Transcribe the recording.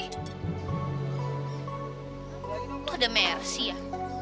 itu ada mercy ya